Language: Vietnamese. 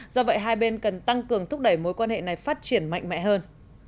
do vậy hai bên cần tăng cường thúc đẩy mối quan hệ này phát triển mạnh mẽ hơn